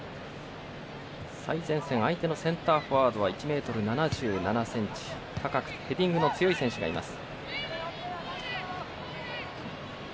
最前線相手のセンターフォワードは１ｍ７７ｃｍ、高くヘディングの強い選手がいます。